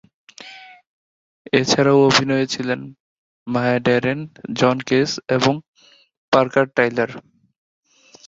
এছাড়াও অভিনয়ে ছিলেন মায়া ডেরেন, জন কেজ এবং পার্কার টাইলার।